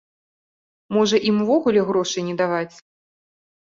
Можа, ім увогуле грошай не даваць?